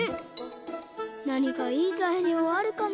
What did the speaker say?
なにかいいざいりょうあるかな？